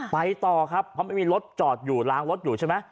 ไปต่อครับเพราะไม่มีรถจอดอยู่ล้างรถอยู่ใช่ไหม